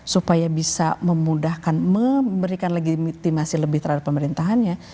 supaya bisa memudahkan memberikan legitimasi lebih terhadap pemerintahannya